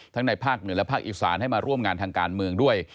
ในภาคเหนือและภาคอีสานให้มาร่วมงานทางการเมืองด้วย